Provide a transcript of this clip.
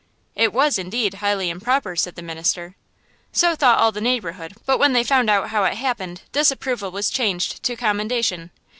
"It was indeed highly improper," said the minister. "So thought all the neighborhood; but when they found out how it happened, disapproval was changed to commendation.